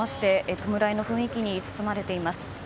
弔いの雰囲気に包まれています。